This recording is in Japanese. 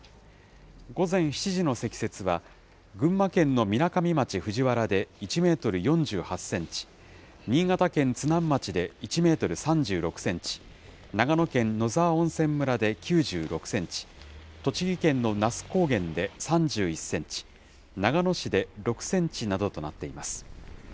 午前７時の積雪は、群馬県のみなかみ町藤原で１メートル４８センチ、新潟県津南町で１メートル３６センチ、長野県野沢温泉村で９６センチ、栃木県の那須高原で３１センチ、長野市で６センチなどとなっています。